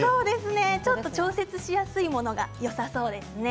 ちょっと調節しやすいものがよさそうですね。